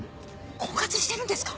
婚活してるんですか？